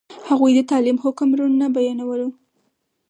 هغوی د تعلیم حکم روڼ نه بیانولو.